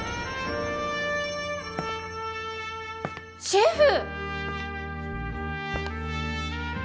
シェフ！